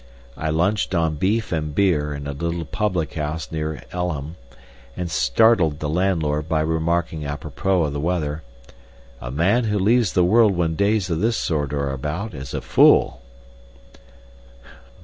I lunched on beef and beer in a little public house near Elham, and startled the landlord by remarking apropos of the weather, "A man who leaves the world when days of this sort are about is a fool!"